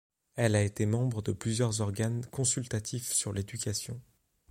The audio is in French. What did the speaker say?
Elle a été membre de plusieurs organes consultatifs sur l'éducation.